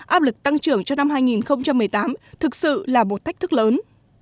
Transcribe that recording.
áp lực tăng trưởng cho năm hai nghìn một mươi tám thực sự là một thách thức lớn